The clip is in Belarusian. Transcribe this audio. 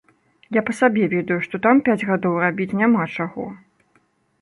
Я па сабе ведаю, што там пяць гадоў рабіць няма чаго.